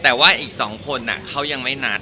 แต่ว่าอีกสองคนอ่ะเขายงไม่นัด